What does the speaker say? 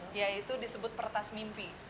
dia itu disebut pertas mimpi